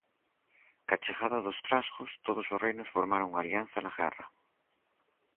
Coa chegada dos trasgos, todos os reinos formaron unha alianza na guerra.